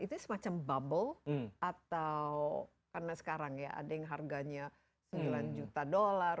itu semacam bubble atau karena sekarang ya ada yang harganya sembilan juta dolar